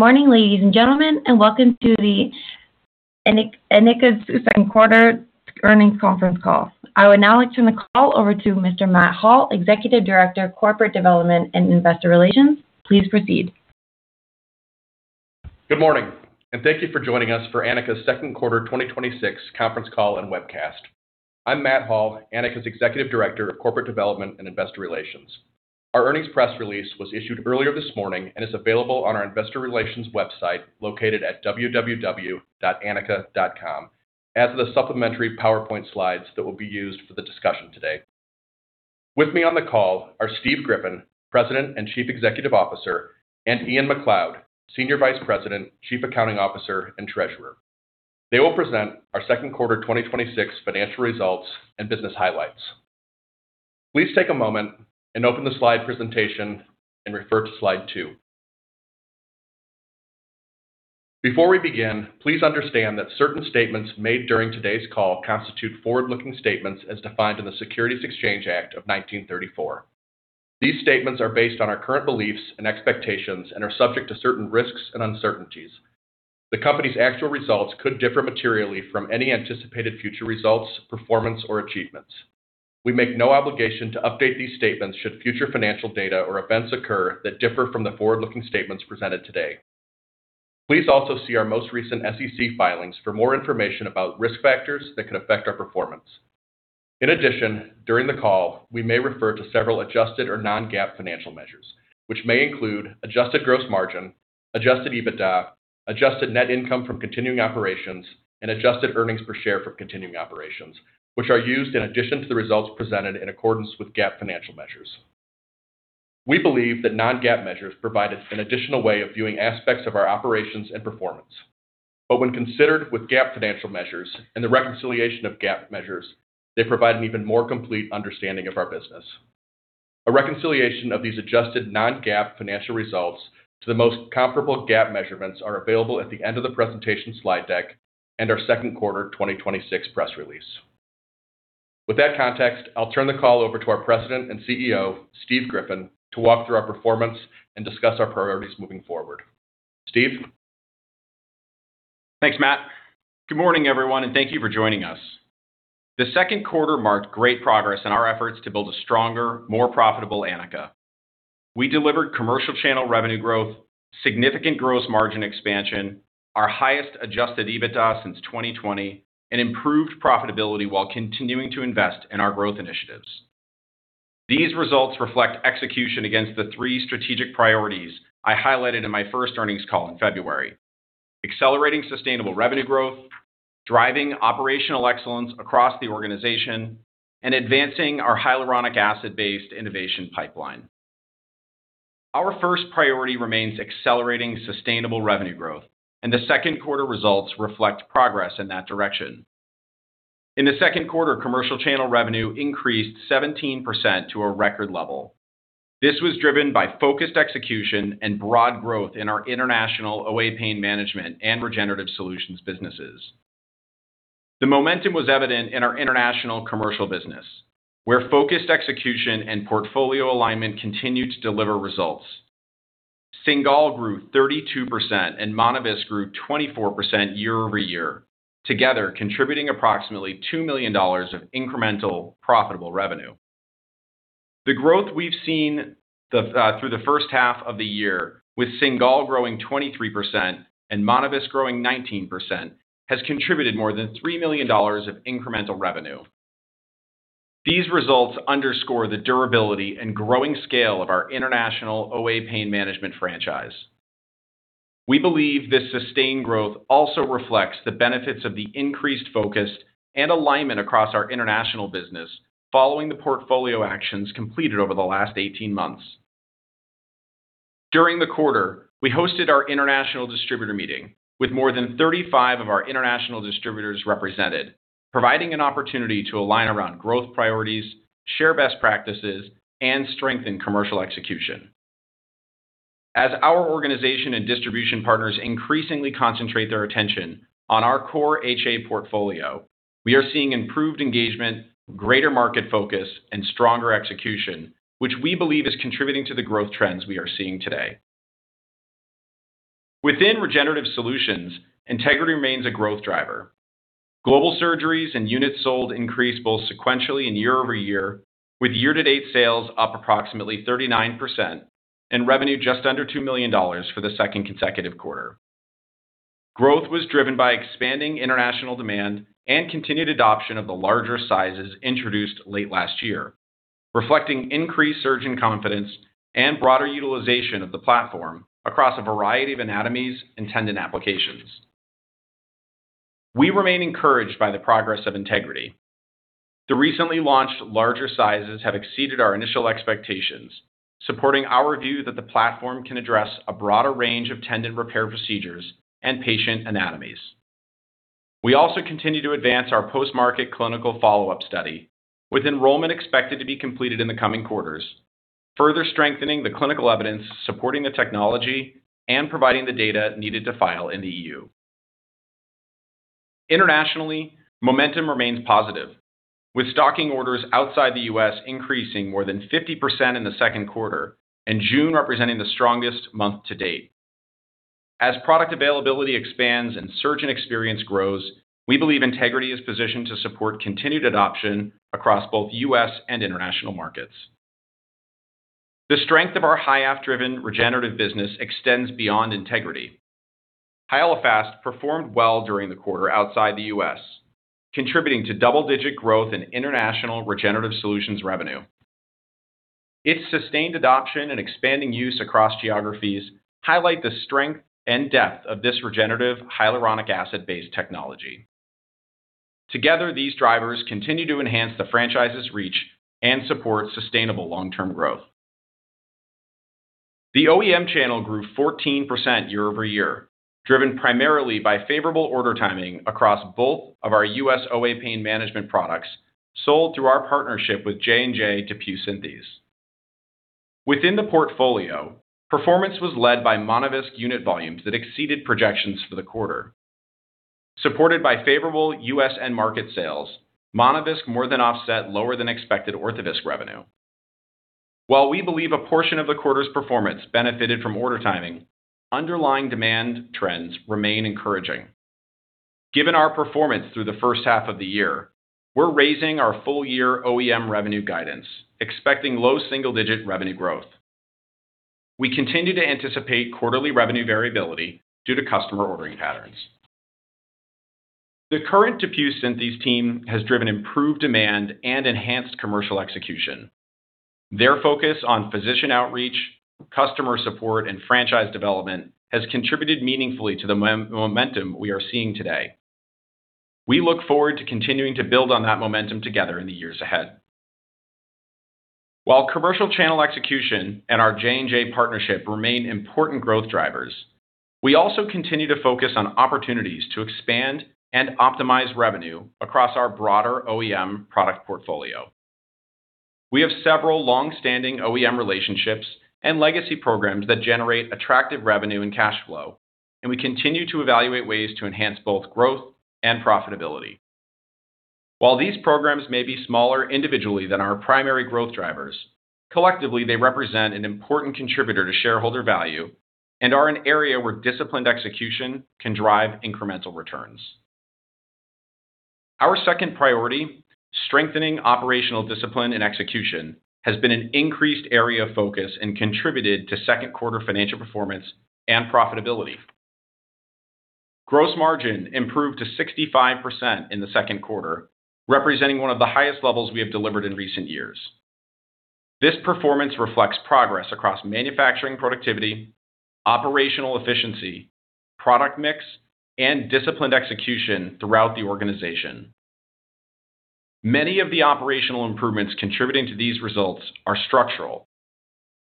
Good morning, ladies and gentlemen, and welcome to Anika's second quarter earnings conference call. I would now like to turn the call over to Mr. Matt Hall, Executive Director of Corporate Development and Investor Relations. Please proceed. Good morning, thank you for joining us for Anika's second quarter 2026 conference call and webcast. I'm Matt Hall, Anika's Executive Director of Corporate Development and Investor Relations. Our earnings press release was issued earlier this morning and is available on our investor relations website located at www.anika.com, as are the supplementary PowerPoint slides that will be used for the discussion today. With me on the call are Steve Griffin, President and Chief Executive Officer, and Ian McLeod, Senior Vice President, Chief Accounting Officer, and Treasurer. They will present our second quarter 2026 financial results and business highlights. Please take a moment and open the slide presentation and refer to Slide two. Before we begin, please understand that certain statements made during today's call constitute forward-looking statements as defined in the Securities Exchange Act of 1934. These statements are based on our current beliefs and expectations and are subject to certain risks and uncertainties. The company's actual results could differ materially from any anticipated future results, performance, or achievements. We make no obligation to update these statements should future financial data or events occur that differ from the forward-looking statements presented today. Please also see our most recent SEC filings for more information about risk factors that could affect our performance. In addition, during the call, we may refer to several adjusted or non-GAAP financial measures, which may include adjusted gross margin, adjusted EBITDA, adjusted net income from continuing operations, and adjusted earnings per share from continuing operations, which are used in addition to the results presented in accordance with GAAP financial measures. We believe that non-GAAP measures provide us an additional way of viewing aspects of our operations and performance. When considered with GAAP financial measures and the reconciliation of GAAP measures, they provide an even more complete understanding of our business. A reconciliation of these adjusted non-GAAP financial results to the most comparable GAAP measurements are available at the end of the presentation slide deck and our second quarter 2026 press release. With that context, I'll turn the call over to our President and CEO, Steve Griffin, to walk through our performance and discuss our priorities moving forward. Steve? Thanks, Matt. Good morning, everyone, and thank you for joining us. The second quarter marked great progress in our efforts to build a stronger, more profitable Anika. We delivered commercial channel revenue growth, significant gross margin expansion, our highest adjusted EBITDA since 2020, and improved profitability while continuing to invest in our growth initiatives. These results reflect execution against the three strategic priorities I highlighted in my first earnings call in February: accelerating sustainable revenue growth, driving operational excellence across the organization, and advancing our hyaluronic acid-based innovation pipeline. Our first priority remains accelerating sustainable revenue growth, and the second quarter results reflect progress in that direction. In the second quarter, commercial channel revenue increased 17% to a record level. This was driven by focused execution and broad growth in our international OA Pain Management and Regenerative Solutions businesses. The momentum was evident in our international commercial business, where focused execution and portfolio alignment continued to deliver results. Cingal grew 32% and Monovisc grew 24% year-over-year, together contributing approximately $2 million of incremental profitable revenue. The growth we've seen through the first half of the year, with Cingal growing 23% and Monovisc growing 19%, has contributed more than $3 million of incremental revenue. These results underscore the durability and growing scale of our international OA Pain Management franchise. We believe this sustained growth also reflects the benefits of the increased focus and alignment across our international business following the portfolio actions completed over the last 18 months. During the quarter, we hosted our international distributor meeting with more than 35 of our international distributors represented, providing an opportunity to align around growth priorities, share best practices, and strengthen commercial execution. As our organization and distribution partners increasingly concentrate their attention on our core HA portfolio, we are seeing improved engagement, greater market focus, and stronger execution, which we believe is contributing to the growth trends we are seeing today. Within Regenerative Solutions, Integrity remains a growth driver. Global surgeries and units sold increased both sequentially and year-over-year, with year-to-date sales up approximately 39% and revenue just under $2 million for the second consecutive quarter. Growth was driven by expanding international demand and continued adoption of the larger sizes introduced late last year, reflecting increased surgeon confidence and broader utilization of the platform across a variety of anatomies and tendon applications. We remain encouraged by the progress of Integrity. The recently launched larger sizes have exceeded our initial expectations, supporting our view that the platform can address a broader range of tendon repair procedures and patient anatomies. We also continue to advance our post-market clinical follow-up study, with enrollment expected to be completed in the coming quarters, further strengthening the clinical evidence supporting the technology and providing the data needed to file in the EU. Internationally, momentum remains positive, with stocking orders outside the U.S. increasing more than 50% in the second quarter, and June representing the strongest month to date. As product availability expands and surgeon experience grows, we believe Integrity is positioned to support continued adoption across both U.S. and international markets. The strength of our HYAFF-driven regenerative business extends beyond Integrity. Hyalofast performed well during the quarter outside the U.S., contributing to double-digit growth in international regenerative solutions revenue. Its sustained adoption and expanding use across geographies highlight the strength and depth of this regenerative hyaluronic acid-based technology. Together, these drivers continue to enhance the franchise's reach and support sustainable long-term growth. The OEM channel grew 14% year-over-year, driven primarily by favorable order timing across both of our U.S. OA Pain Management products sold through our partnership with J&J DePuy Synthes. Within the portfolio, performance was led by Monovisc unit volumes that exceeded projections for the quarter. Supported by favorable U.S. end market sales, Monovisc more than offset lower than expected Orthovisc revenue. While we believe a portion of the quarter's performance benefited from order timing, underlying demand trends remain encouraging. Given our performance through the first half of the year, we're raising our full year OEM revenue guidance, expecting low single-digit revenue growth. We continue to anticipate quarterly revenue variability due to customer ordering patterns. The current DePuy Synthes team has driven improved demand and enhanced commercial execution. Their focus on physician outreach, customer support, and franchise development has contributed meaningfully to the momentum we are seeing today. We look forward to continuing to build on that momentum together in the years ahead. While commercial channel execution and our J&J partnership remain important growth drivers, we also continue to focus on opportunities to expand and optimize revenue across our broader OEM product portfolio. We have several longstanding OEM relationships and legacy programs that generate attractive revenue and cash flow, and we continue to evaluate ways to enhance both growth and profitability. While these programs may be smaller individually than our primary growth drivers, collectively, they represent an important contributor to shareholder value and are an area where disciplined execution can drive incremental returns. Our second priority, strengthening operational discipline and execution, has been an increased area of focus and contributed to second quarter financial performance and profitability. Gross margin improved to 65% in the second quarter, representing one of the highest levels we have delivered in recent years. This performance reflects progress across manufacturing productivity, operational efficiency, product mix, and disciplined execution throughout the organization. Many of the operational improvements contributing to these results are structural.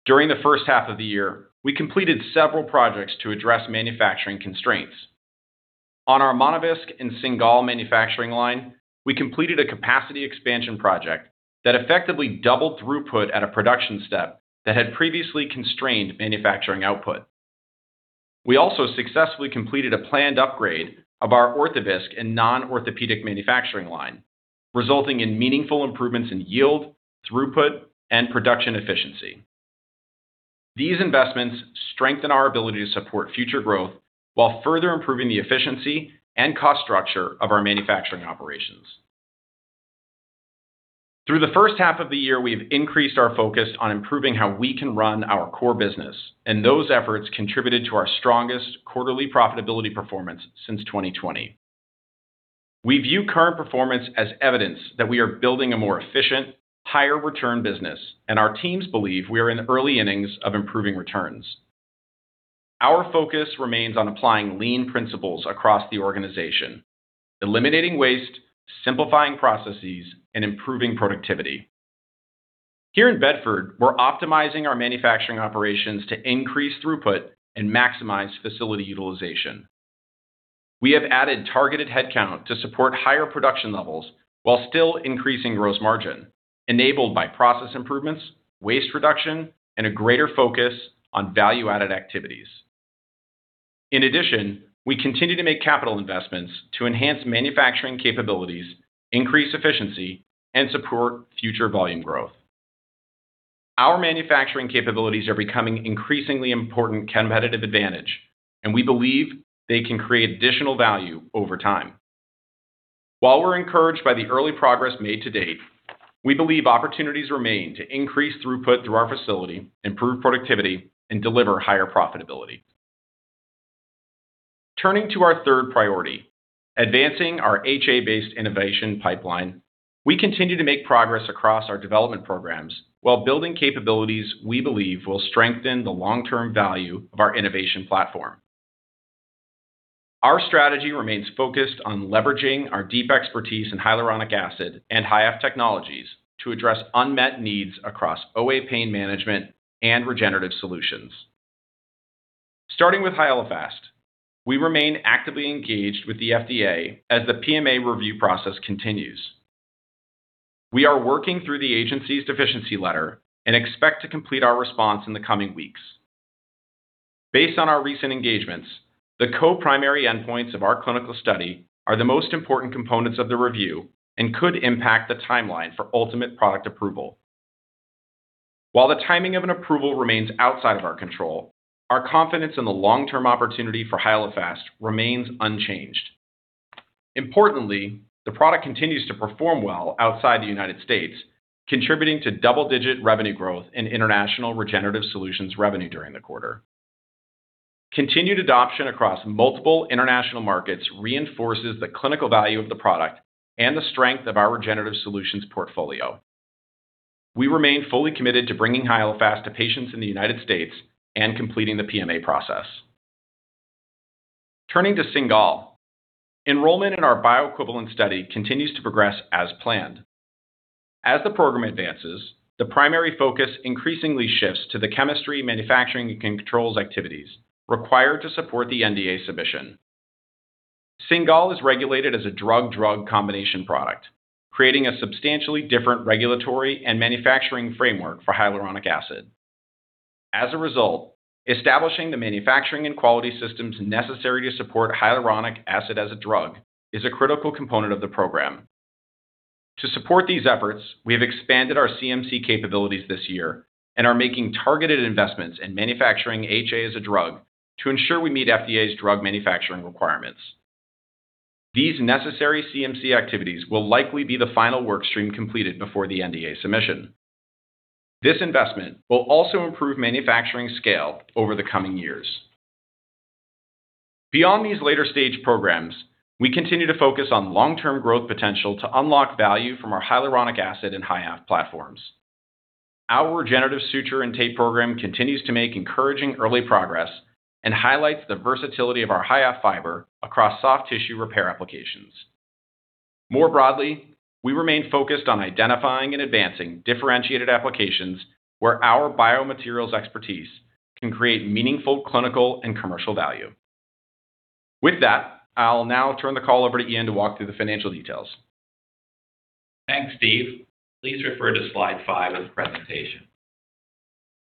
During the first half of the year, we completed several projects to address manufacturing constraints. On our Monovisc and Cingal manufacturing line, we completed a capacity expansion project that effectively doubled throughput at a production step that had previously constrained manufacturing output. We also successfully completed a planned upgrade of our Orthovisc and non-orthopedic manufacturing line, resulting in meaningful improvements in yield, throughput, and production efficiency. These investments strengthen our ability to support future growth while further improving the efficiency and cost structure of our manufacturing operations. Through the first half of the year, we've increased our focus on improving how we can run our core business, and those efforts contributed to our strongest quarterly profitability performance since 2020. We view current performance as evidence that we are building a more efficient, higher return business, and our teams believe we are in early innings of improving returns. Our focus remains on applying lean principles across the organization, eliminating waste, simplifying processes, and improving productivity. Here in Bedford, we're optimizing our manufacturing operations to increase throughput and maximize facility utilization. We have added targeted headcount to support higher production levels while still increasing gross margin, enabled by process improvements, waste reduction, and a greater focus on value-added activities. In addition, we continue to make capital investments to enhance manufacturing capabilities, increase efficiency, and support future volume growth. Our manufacturing capabilities are becoming an increasingly important competitive advantage, and we believe they can create additional value over time. While we're encouraged by the early progress made to date, we believe opportunities remain to increase throughput through our facility, improve productivity, and deliver higher profitability. Turning to our third priority, advancing our HA-based innovation pipeline, we continue to make progress across our development programs while building capabilities we believe will strengthen the long-term value of our innovation platform. Our strategy remains focused on leveraging our deep expertise in hyaluronic acid and HYAFF technologies to address unmet needs across OA pain management and regenerative solutions. Starting with Hyalofast, we remain actively engaged with the FDA as the PMA review process continues. We are working through the agency's deficiency letter and expect to complete our response in the coming weeks. Based on our recent engagements, the co-primary endpoints of our clinical study are the most important components of the review and could impact the timeline for ultimate product approval. While the timing of an approval remains outside of our control, our confidence in the long-term opportunity for Hyalofast remains unchanged. Importantly, the product continues to perform well outside the U.S., contributing to double-digit revenue growth in international regenerative solutions revenue during the quarter. Continued adoption across multiple international markets reinforces the clinical value of the product and the strength of our regenerative solutions portfolio. We remain fully committed to bringing Hyalofast to patients in the U.S. and completing the PMA process. Turning to Cingal. Enrollment in our bioequivalent study continues to progress as planned. As the program advances, the primary focus increasingly shifts to the chemistry, manufacturing, and controls activities required to support the NDA submission. Cingal is regulated as a drug-drug combination product, creating a substantially different regulatory and manufacturing framework for hyaluronic acid. As a result, establishing the manufacturing and quality systems necessary to support hyaluronic acid as a drug is a critical component of the program. To support these efforts, we have expanded our CMC capabilities this year and are making targeted investments in manufacturing HA as a drug to ensure we meet FDA's drug manufacturing requirements. These necessary CMC activities will likely be the final work stream completed before the NDA submission. This investment will also improve manufacturing scale over the coming years. Beyond these later-stage programs, we continue to focus on long-term growth potential to unlock value from our hyaluronic acid and HYAFF platforms. Our regenerative suture and tape program continues to make encouraging early progress and highlights the versatility of our HYAFF fiber across soft tissue repair applications. More broadly, we remain focused on identifying and advancing differentiated applications where our biomaterials expertise can create meaningful clinical and commercial value. With that, I'll now turn the call over to Ian to walk through the financial details. Thanks, Steve. Please refer to slide five of the presentation.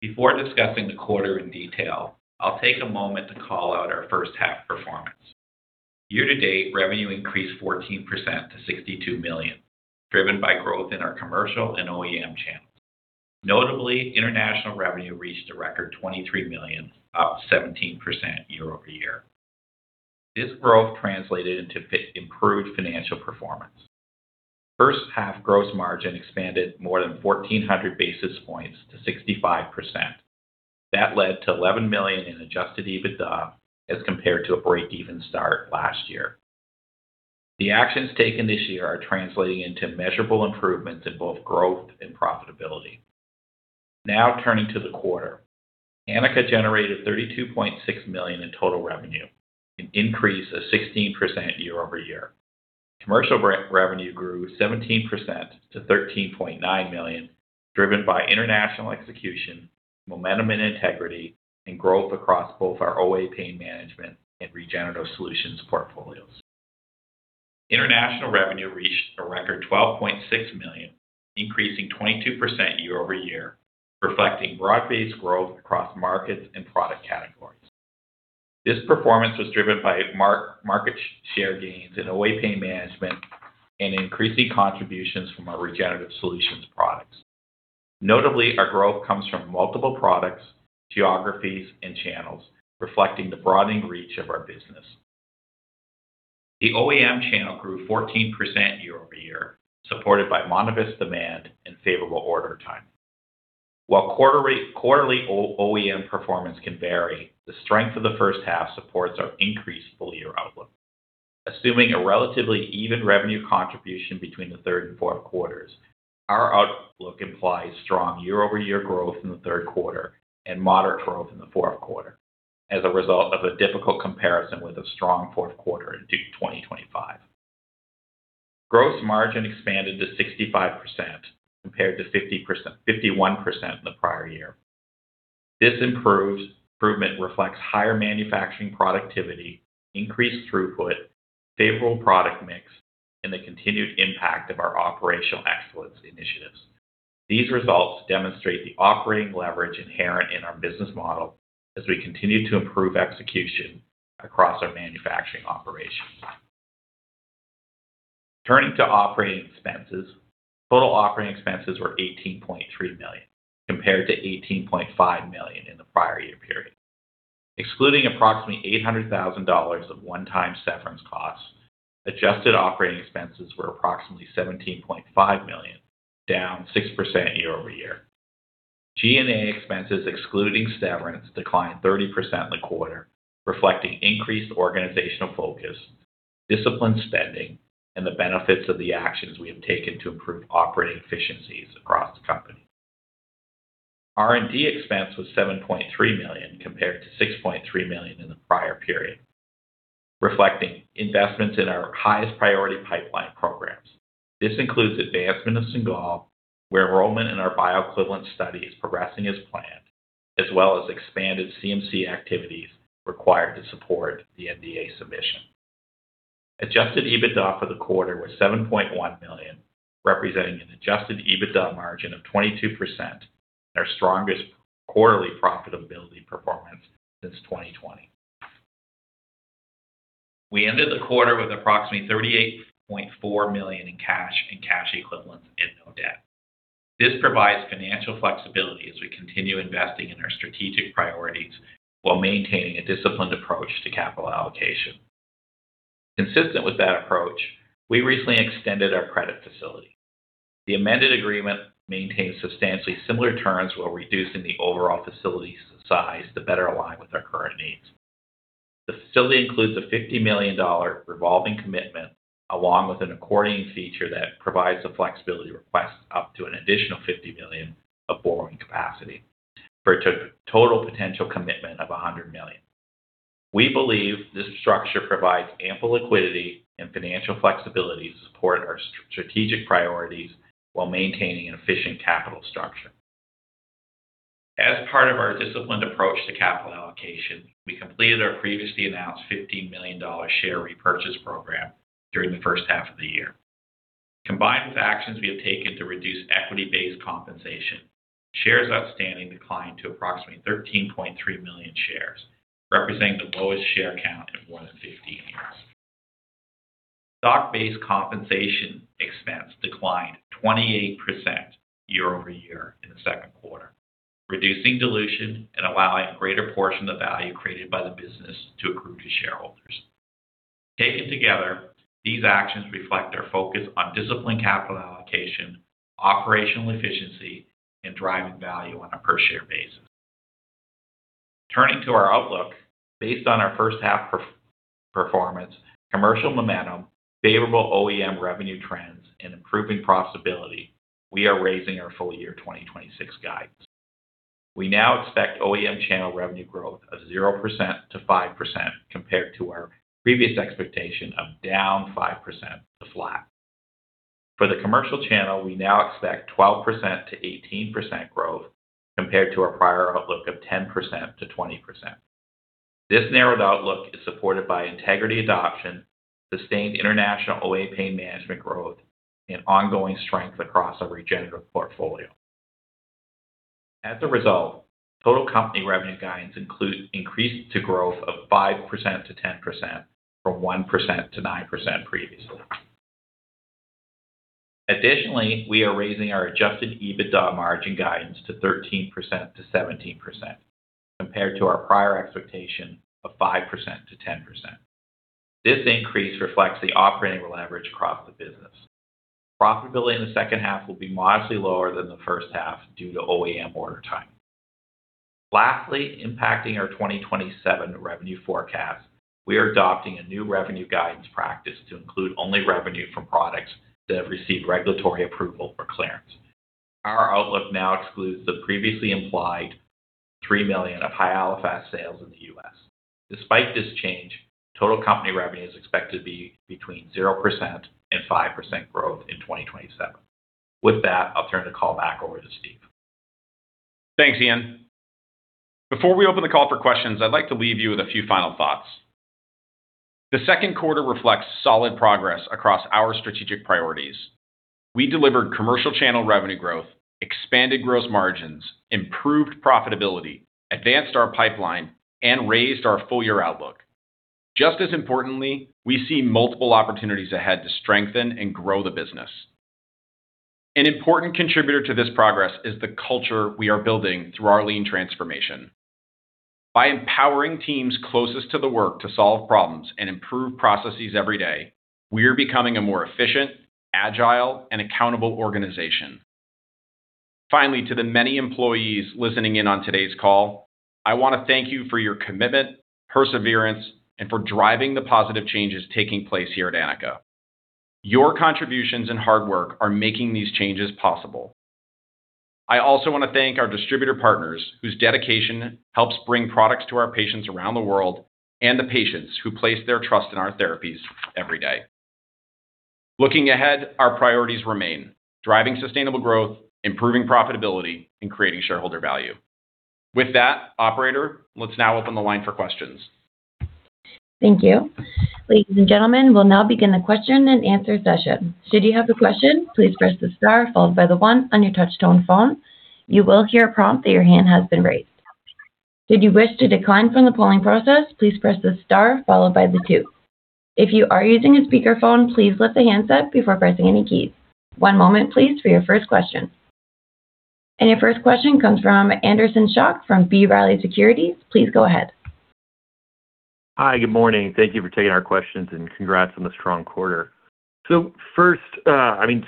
Before discussing the quarter in detail, I'll take a moment to call out our first half performance. Year-to-date, revenue increased 14% to $62 million, driven by growth in our commercial and OEM channels. Notably, international revenue reached a record $23 million, up 17% year-over-year. This growth translated into improved financial performance. First half gross margin expanded more than 1,400 basis points to 65%. That led to $11 million in adjusted EBITDA as compared to a break-even start last year. The actions taken this year are translating into measurable improvements in both growth and profitability. Turning to the quarter. Anika generated $32.6 million in total revenue, an increase of 16% year-over-year. Commercial revenue grew 17% to $13.9 million, driven by international execution, momentum, and Integrity, and growth across both our OA pain management and regenerative solutions portfolios. International revenue reached a record $12.6 million, increasing 22% year-over-year, reflecting broad-based growth across markets and product categories. This performance was driven by market share gains in OA pain management and increasing contributions from our regenerative solutions products. Notably, our growth comes from multiple products, geographies, and channels, reflecting the broadening reach of our business. The OEM channel grew 14% year-over-year, supported by Monovisc demand and favorable order timing. While quarterly OEM performance can vary, the strength of the first half supports our increased full-year outlook. Assuming a relatively even revenue contribution between the third and fourth quarters, our outlook implies strong year-over-year growth in the third quarter and moderate growth in the fourth quarter as a result of a difficult comparison with a strong fourth quarter in 2025. Gross margin expanded to 65%, compared to 51% in the prior year. This improvement reflects higher manufacturing productivity, increased throughput, favorable product mix, and the continued impact of our operational excellence initiatives. These results demonstrate the operating leverage inherent in our business model as we continue to improve execution across our manufacturing operations. Turning to operating expenses. Total operating expenses were $18.3 million, compared to $18.5 million in the prior year period. Excluding approximately $800,000 of one-time severance costs, adjusted operating expenses were approximately $17.5 million, down 6% year-over-year. G&A expenses excluding severance declined 30% in the quarter, reflecting increased organizational focus, disciplined spending, and the benefits of the actions we have taken to improve operating efficiencies across the company. R&D expense was $7.3 million compared to $6.3 million in the prior period, reflecting investments in our highest priority pipeline programs. This includes advancement of Cingal, where enrollment in our bioequivalent study is progressing as planned, as well as expanded CMC activities required to support the NDA submission. Adjusted EBITDA for the quarter was $7.1 million, representing an adjusted EBITDA margin of 22%, our strongest quarterly profitability performance since 2020. We ended the quarter with approximately $38.4 million in cash and cash equivalents and no debt. Consistent with that approach, we recently extended our credit facility. The amended agreement maintains substantially similar terms while reducing the overall facilities size to better align with our current needs. The facility includes a $50 million revolving commitment, along with an accordion feature that provides the flexibility to request up to an additional $50 million of borrowing capacity for a total potential commitment of $100 million. We believe this structure provides ample liquidity and financial flexibility to support our strategic priorities while maintaining an efficient capital structure. As part of our disciplined approach to capital allocation, we completed our previously announced $15 million share repurchase program during the first half of the year. Combined with actions we have taken to reduce equity-based compensation, shares outstanding declined to approximately 13.3 million shares, representing the lowest share count in more than 15 years. Stock-based compensation expense declined 28% year-over-year in the second quarter, reducing dilution and allowing a greater portion of the value created by the business to accrue to shareholders. Taken together, these actions reflect our focus on disciplined capital allocation, operational efficiency, and driving value on a per share basis. Turning to our outlook, based on our first half performance, commercial momentum, favorable OEM revenue trends, and improving profitability, we are raising our full year 2026 guidance. We now expect OEM channel revenue growth of 0%-5%, compared to our previous expectation of down 5% to flat. For the commercial channel, we now expect 12%-18% growth compared to our prior outlook of 10%-20%. This narrowed outlook is supported by Integrity adoption, sustained international OA pain management growth, and ongoing strength across our regenerative portfolio. As a result, total company revenue guidance increased to growth of 5%-10%, from 1%-9% previously. Additionally, we are raising our adjusted EBITDA margin guidance to 13%-17%, compared to our prior expectation of 5%-10%. This increase reflects the operating leverage across the business. Profitability in the second half will be modestly lower than the first half due to OEM order timing. Lastly, impacting our 2027 revenue forecast, we are adopting a new revenue guidance practice to include only revenue from products that have received regulatory approval for clearance. Our outlook now excludes the previously implied $3 million of Hyalofast sales in the U.S. Despite this change, total company revenue is expected to be between 0% and 5% growth in 2027. With that, I'll turn the call back over to Steve. Thanks, Ian. Before we open the call for questions, I'd like to leave you with a few final thoughts. The second quarter reflects solid progress across our strategic priorities. We delivered commercial channel revenue growth, expanded gross margins, improved profitability, advanced our pipeline, and raised our full year outlook. Just as importantly, we see multiple opportunities ahead to strengthen and grow the business. An important contributor to this progress is the culture we are building through our lean transformation. By empowering teams closest to the work to solve problems and improve processes every day, we are becoming a more efficient, agile, and accountable organization. Finally, to the many employees listening in on today's call, I want to thank you for your commitment, perseverance, and for driving the positive changes taking place here at Anika. Your contributions and hard work are making these changes possible. I also want to thank our distributor partners, whose dedication helps bring products to our patients around the world, and the patients who place their trust in our therapies every day. Looking ahead, our priorities remain driving sustainable growth, improving profitability, and creating shareholder value. With that, operator, let's now open the line for questions. Thank you. Ladies and gentlemen, we'll now begin the question and answer session. Should you have a question, please press the star followed by the one on your touch tone phone. You will hear a prompt that your hand has been raised. Should you wish to decline from the polling process, please press the star followed by the two. If you are using a speakerphone, please lift the handset before pressing any keys. One moment please, for your first question. Your first question comes from Anderson Schock from B. Riley Securities. Please go ahead. Hi. Good morning. Thank you for taking our questions, congrats on the strong quarter. First,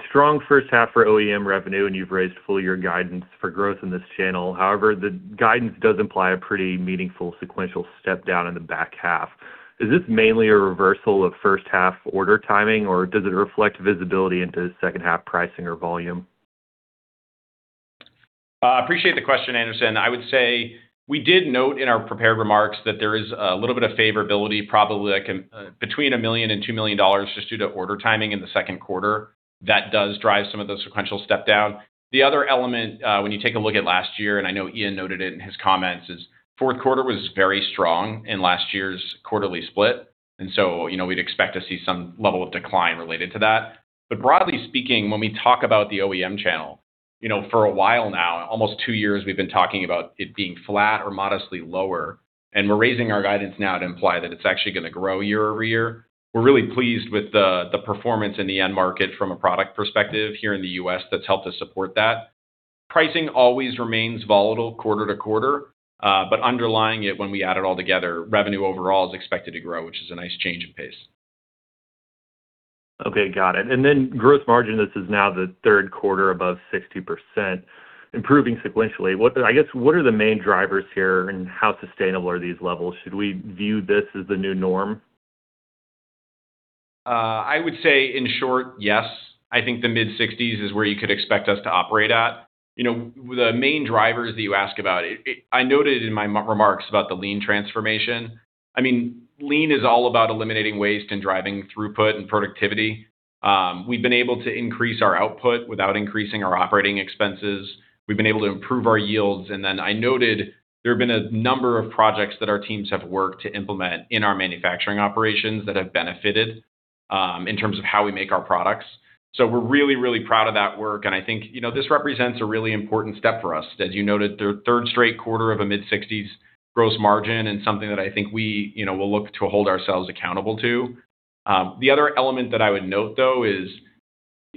strong first half for OEM revenue, you've raised full year guidance for growth in this channel. However, the guidance does imply a pretty meaningful sequential step down in the back half. Is this mainly a reversal of first half order timing, or does it reflect visibility into second half pricing or volume? Appreciate the question, Anderson. I would say we did note in our prepared remarks that there is a little bit of favorability, probably between $1 million and $2 million just due to order timing in the second quarter. That does drive some of the sequential step down. The other element when you take a look at last year, I know Ian noted it in his comments, is fourth quarter was very strong in last year's quarterly split, we'd expect to see some level of decline related to that. Broadly speaking, when we talk about the OEM channel for a while now, almost two years, we've been talking about it being flat or modestly lower, we're raising our guidance now to imply that it's actually going to grow year-over-year. We're really pleased with the performance in the end market from a product perspective here in the U.S. that's helped us support that. Pricing always remains volatile quarter-to-quarter, underlying it, when we add it all together, revenue overall is expected to grow, which is a nice change of pace. Okay, got it. Gross margin, this is now the third quarter above 60%, improving sequentially. I guess, what are the main drivers here and how sustainable are these levels? Should we view this as the new norm? I would say, in short, yes. I think the mid-60s is where you could expect us to operate at. The main drivers that you ask about, I noted in my remarks about the lean transformation. Lean is all about eliminating waste and driving throughput and productivity. We've been able to increase our output without increasing our operating expenses. We've been able to improve our yields. I noted there have been a number of projects that our teams have worked to implement in our manufacturing operations that have benefited in terms of how we make our products. We're really proud of that work, and I think this represents a really important step for us. As you noted, the third straight quarter of a mid-60s gross margin and something that I think we will look to hold ourselves accountable to. The other element that I would note, though, is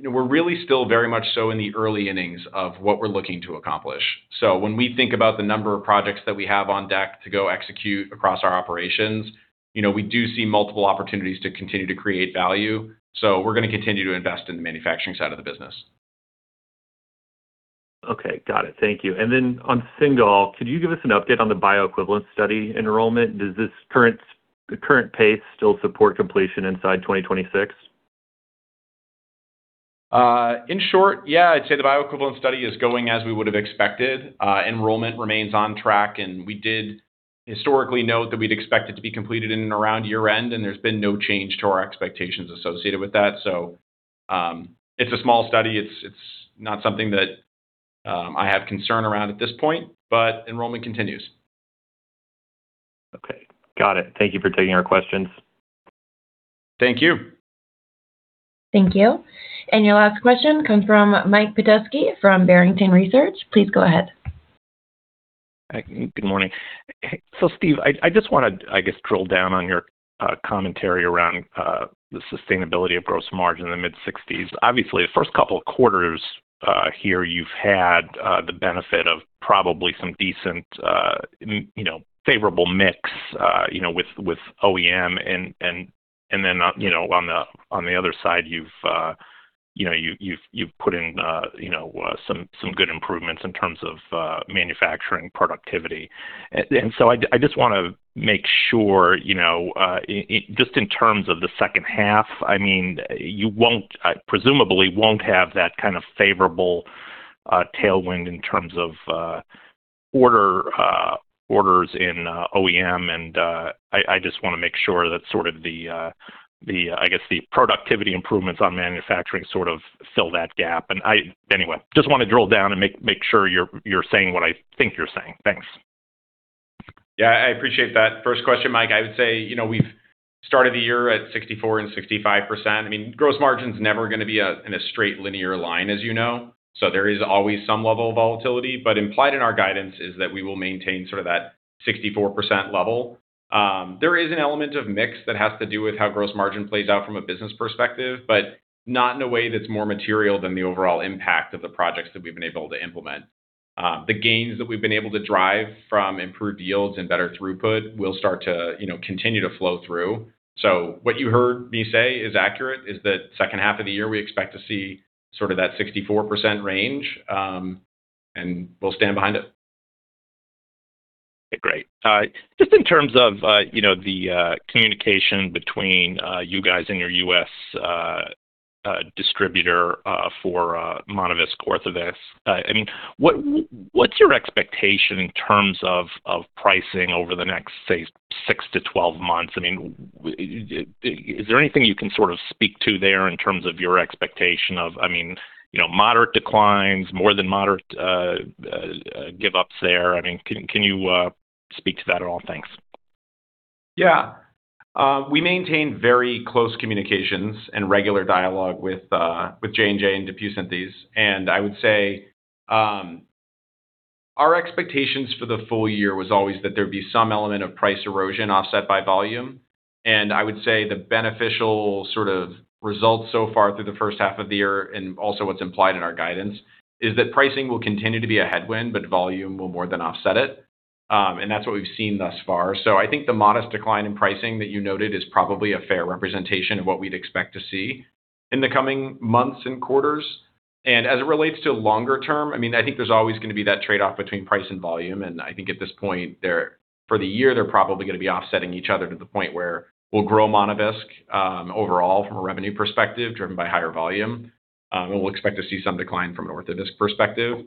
we're really still very much so in the early innings of what we're looking to accomplish. When we think about the number of projects that we have on deck to go execute across our operations, we do see multiple opportunities to continue to create value. We're going to continue to invest in the manufacturing side of the business. Okay, got it. Thank you. On Cingal, could you give us an update on the bioequivalent study enrollment? Does this current pace still support completion inside 2026? In short, yeah. I'd say the bioequivalent study is going as we would have expected. Enrollment remains on track. We did historically note that we'd expect it to be completed in and around year-end. There's been no change to our expectations associated with that. It's a small study. It's not something that I have concern around at this point. Enrollment continues. Okay, got it. Thank you for taking our questions. Thank you. Thank you. Your last question comes from Mike Petusky from Barrington Research. Please go ahead. Hi. Good morning. Steve, I just want to, I guess, drill down on your commentary around the sustainability of gross margin in the mid-60s. Obviously, the first couple of quarters here you've had the benefit of probably some decent favorable mix with OEM and then on the other side you've put in some good improvements in terms of manufacturing productivity. I just want to make sure, just in terms of the second half, you presumably won't have that kind of favorable tailwind in terms of orders in OEM. I just want to make sure that sort of the, I guess the productivity improvements on manufacturing sort of fill that gap. Anyway, just want to drill down and make sure you're saying what I think you're saying. Thanks. Yeah, I appreciate that. First question, Mike, I would say we've started the year at 64% and 65%. Gross nargin's never going to be in a straight linear line, as you know. There is always some level of volatility, but implied in our guidance is that we will maintain that 64% level. There is an element of mix that has to do with how gross margin plays out from a business perspective, but not in a way that's more material than the overall impact of the projects that we've been able to implement. The gains that we've been able to drive from improved yields and better throughput will start to continue to flow through. What you heard me say is accurate, is that second half of the year, we expect to see that 64% range, and we'll stand behind it. Great. Just in terms of the communication between you guys and your U.S. distributor for Monovisc, Orthovisc, what's your expectation in terms of pricing over the next, say, 6-12 months? Is there anything you can sort of speak to there in terms of your expectation of moderate declines, more than moderate give-ups there? Can you speak to that at all? Thanks. Yeah. We maintain very close communications and regular dialogue with Johnson & Johnson and DePuy Synthes, I would say our expectations for the full year was always that there'd be some element of price erosion offset by volume. I would say the beneficial sort of results so far through the first half of the year, and also what's implied in our guidance, is that pricing will continue to be a headwind, but volume will more than offset it. That's what we've seen thus far. I think the modest decline in pricing that you noted is probably a fair representation of what we'd expect to see in the coming months and quarters. As it relates to longer-term, I think there's always going to be that trade-off between price and volume, and I think at this point, for the year, they're probably going to be offsetting each other to the point where we'll grow Monovisc overall from a revenue perspective, driven by higher volume. We'll expect to see some decline from an Orthovisc perspective.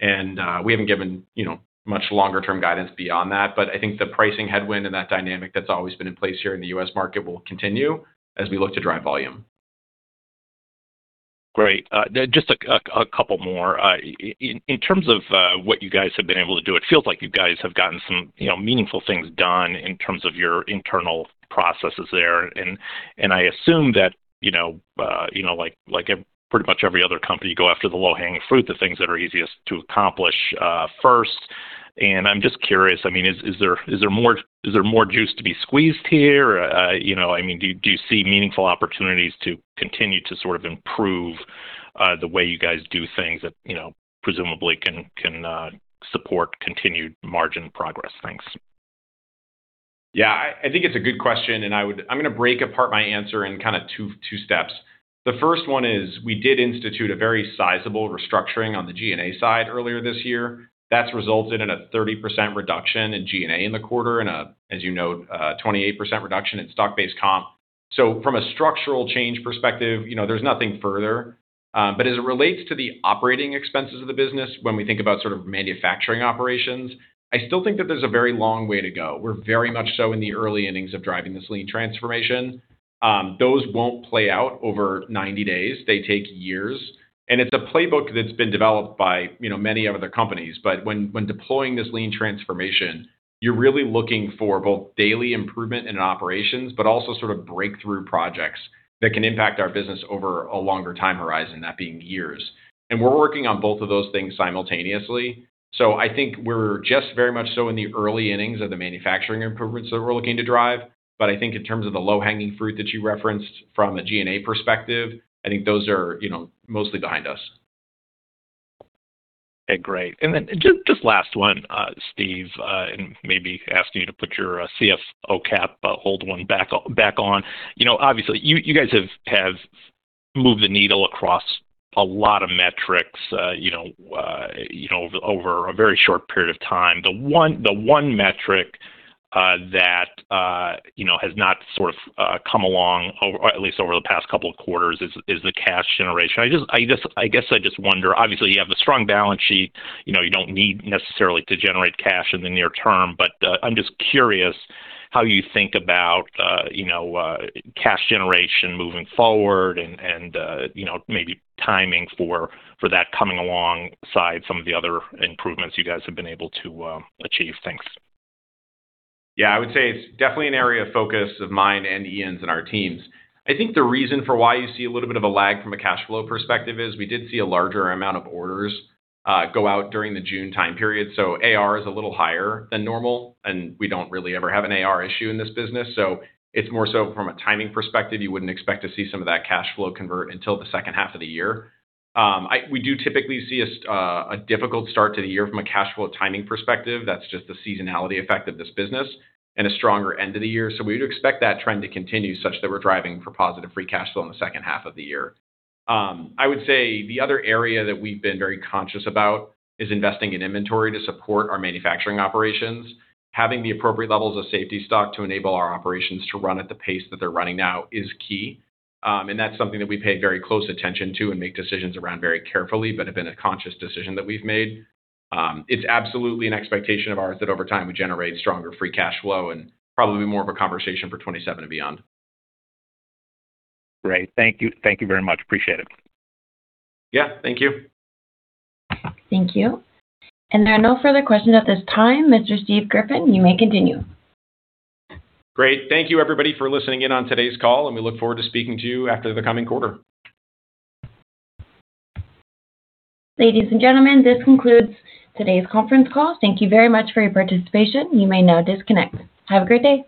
We haven't given much longer-term guidance beyond that, but I think the pricing headwind and that dynamic that's always been in place here in the U.S. market will continue as we look to drive volume. Great. Just a couple more. In terms of what you guys have been able to do, it feels like you guys have gotten some meaningful things done in terms of your internal processes there, and I assume that like pretty much every other company, you go after the low-hanging fruit, the things that are easiest to accomplish first. I'm just curious, is there more juice to be squeezed here? Do you see meaningful opportunities to continue to improve the way you guys do things that presumably can support continued margin progress? Thanks. Yeah, I think it's a good question, and I'm going to break apart my answer in two steps. The first one is, we did institute a very sizable restructuring on the G&A side earlier this year. That's resulted in a 30% reduction in G&A in the quarter and a, as you note, 28% reduction in stock-based comp. From a structural change perspective, there's nothing further. As it relates to the operating expenses of the business, when we think about manufacturing operations, I still think that there's a very long way to go. We're very much so in the early innings of driving this lean transformation. Those won't play out over 90 days. They take years. It's a playbook that's been developed by many other companies. When deploying this lean transformation, you're really looking for both daily improvement in operations, but also breakthrough projects that can impact our business over a longer time horizon, that being years. We're working on both of those things simultaneously. I think we're just very much so in the early innings of the manufacturing improvements that we're looking to drive. I think in terms of the low-hanging fruit that you referenced from a G&A perspective, I think those are mostly behind us. Okay, great. Just last one, Steve, and maybe asking you to put your CFO cap, old one, back on. Obviously, you guys have moved the needle across a lot of metrics over a very short period of time. The one metric that has not come along, at least over the past couple of quarters, is the cash generation. I guess I just wonder, obviously, you have a strong balance sheet. You don't need necessarily to generate cash in the near term, but I'm just curious how you think about cash generation moving forward and maybe timing for that coming alongside some of the other improvements you guys have been able to achieve. Thanks. Yeah, I would say it's definitely an area of focus of mine and Ian's and our teams. I think the reason for why you see a little bit of a lag from a cash flow perspective is we did see a larger amount of orders go out during the June time period. AR is a little higher than normal, and we don't really ever have an AR issue in this business. It's more so from a timing perspective, you wouldn't expect to see some of that cash flow convert until the second half of the year. We do typically see a difficult start to the year from a cash flow timing perspective, that's just the seasonality effect of this business, and a stronger end of the year. We'd expect that trend to continue such that we're driving for positive free cash flow in the second half of the year. I would say the other area that we've been very conscious about is investing in inventory to support our manufacturing operations. Having the appropriate levels of safety stock to enable our operations to run at the pace that they're running now is key. That's something that we pay very close attention to and make decisions around very carefully, but have been a conscious decision that we've made. It's absolutely an expectation of ours that over time we generate stronger free cash flow and probably more of a conversation for 2027 and beyond. Great. Thank you. Thank you very much. Appreciate it. Yeah. Thank you. Thank you. There are no further questions at this time. Mr. Steve Griffin, you may continue. Great. Thank you everybody for listening in on today's call, and we look forward to speaking to you after the coming quarter. Ladies and gentlemen, this concludes today's conference call. Thank you very much for your participation. You may now disconnect. Have a great day.